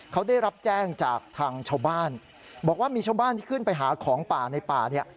เขาได้รับแจ้งจากทางชาวบ้านบอกว่ามีชาวบ้านที่ขึ้นไปหาของป่าในป่าเนี่ย